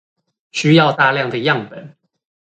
需要大量的樣本